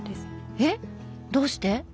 えっどうして？